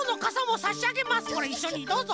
これいっしょにどうぞ！